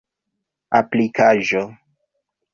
aplikaĵo